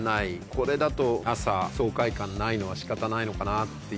これだと朝爽快感ないのは仕方ないのかなっていう。